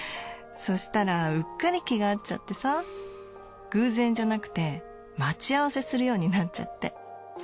そしたらうっかり気が合っちゃってさ偶然じゃなくて待ち合わせするようになっちゃって。